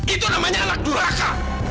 itu namanya anak duraka